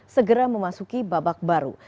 segera memasuki babak baru